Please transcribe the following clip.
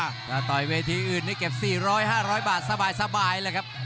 จะโดยเวทีอื่นได้เก็บสี่ร้อยห้าร้อยบาทสบายเลยครับ